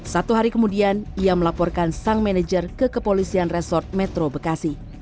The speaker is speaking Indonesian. satu hari kemudian ia melaporkan sang manajer ke kepolisian resort metro bekasi